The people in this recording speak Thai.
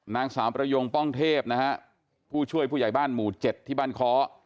นางสาวประยงป้องเทพนะฮะผู้ช่วยผู้ใหญ่บ้านหมู่๗ที่บ้านค้อ